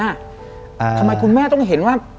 ทำไมคุณแม่ต้องเห็นว่า